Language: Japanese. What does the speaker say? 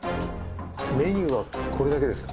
メニューはこれだけですか？